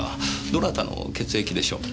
どなたの血液でしょう？